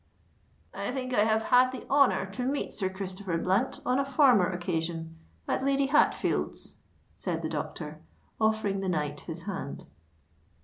"I think I have had the honour to meet Sir Christopher Blunt on a former occasion—at Lady Hatfield's," said the doctor, offering the knight his hand.